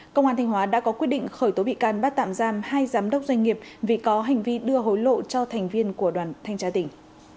công an thanh hóa đã có quyết định khởi tố bị can bắt tạm giam hai giám đốc doanh nghiệp vì có hành vi đưa hối lộ cho thành viên của đoàn thanh tra tỉnh